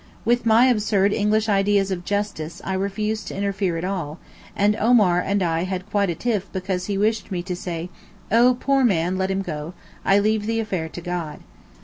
With my absurd English ideas of justice I refused to interfere at all, and Omar and I had quite a tiff because he wished me to say, 'Oh, poor man, let him go; I leave the affair to God.